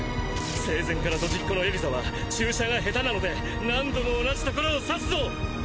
生前からドジっ子のエリザは注射が下手なので何度も同じところを刺すぞ！